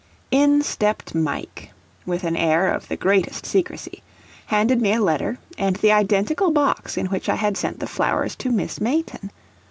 In stepped Mike, with an air of the greatest secrecy, handed me a letter and the identical box in which I had sent the flowers to Miss Mayton.